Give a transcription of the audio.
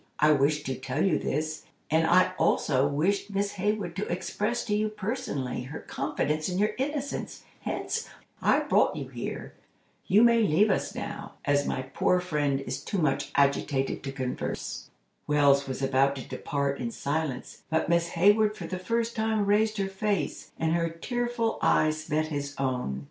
I wished to tell you this, and I also wished Miss Hayward to express to you personally, her confidence in your innocence; hence, I brought you here. You may leave us now, as my poor friend is too much agitated to converse." Wells was about to depart in silence, but Miss Hayward for the first time raised her face, and her tearful eyes met his own.